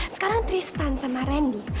sekarang tristan sama randy